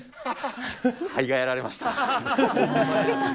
肺がやられました。